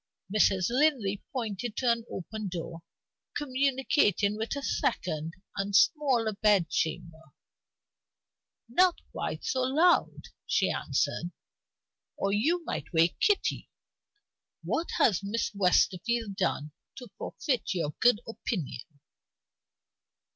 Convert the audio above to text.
Mrs. Linley pointed to an open door, communicating with a second and smaller bed chamber. "Not quite so loud," she answered, "or you might wake Kitty. What has Miss Westerfield done to forfeit your good opinion?"